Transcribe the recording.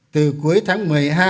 từ cuối tháng một mươi hai